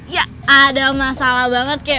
ya ada masalah banget kayak